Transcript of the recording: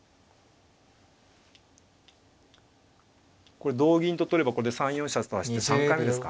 これ同銀と取ればこれで３四飛車と走って３回目ですか。